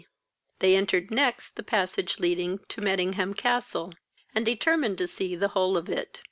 They entered next the passage leading to Mettingham castle, and determined to see the whole of it.